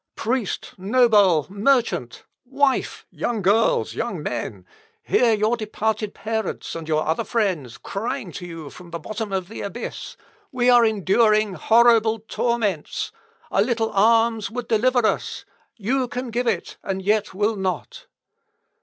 "Priest! noble! merchant! wife! young girls! young men! hear your departed parents and your other friends, crying to you from the bottom of the abyss, 'We are enduring horrible torments! A little alms would deliver us; you can give it, and yet will not!'"